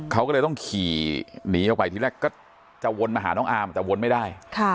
เขาก็เลยต้องขี่หนีออกไปทีแรกก็จะวนมาหาน้องอาร์มแต่วนไม่ได้